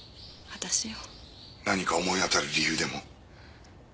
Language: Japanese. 何か思い当たる理由でも？